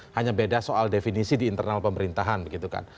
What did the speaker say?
hanya beda soal definisi di internal pemerintahan begitu kan